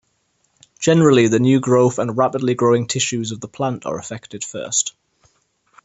Generally, the new growth and rapidly growing tissues of the plant are affected first.